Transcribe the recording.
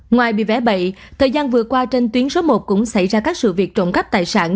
ngoài bị vẽ bậy thời gian vừa qua trên tuyến số một cũng xảy ra các sự việc trộm cắp tài sản